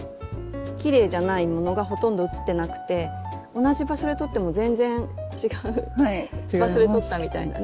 きれいじゃないものがほとんど写ってなくて同じ場所で撮っても全然違う場所で撮ったみたいなね